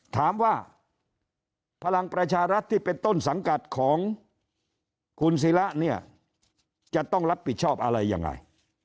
ถามว่าพลังประชารัฐที่เป็นต้นสังกัดของคุณศิระเนี่ยจะต้องรับผิดชอบอะไรยังไง